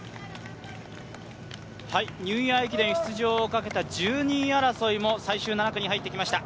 ニューイヤー駅伝出場をかけた１２位争いも最終７区に入ってきました。